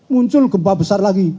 muncul gempa besar lagi